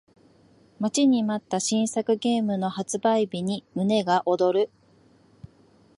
待ちに待った新作ゲームの発売日に胸が躍る